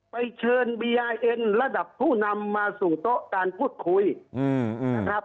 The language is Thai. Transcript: ไปเชิญบีอาร์เอนระดับผู้นำมาส่งโต๊ะการพูดคุยอืมอืมครับ